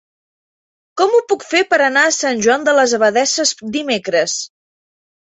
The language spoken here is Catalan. Com ho puc fer per anar a Sant Joan de les Abadesses dimecres?